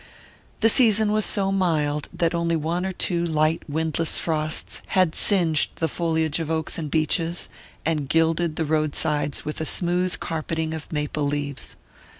The season was so mild that only one or two light windless frosts had singed the foliage of oaks and beeches, and gilded the roadsides with a smooth carpeting of maple leaves.